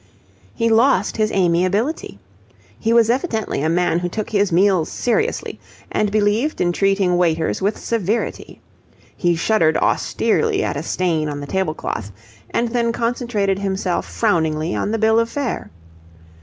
He lost his amiability. He was evidently a man who took his meals seriously and believed in treating waiters with severity. He shuddered austerely at a stain on the table cloth, and then concentrated himself frowningly on the bill of fare.